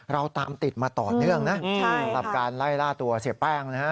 เราตามติดมาต่อเนื่องนะสำหรับการไล่ล่าตัวเสียแป้งนะฮะ